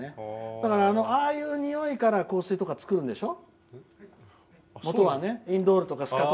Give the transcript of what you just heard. だから、ああいうにおいから香水とか作るんでしょ。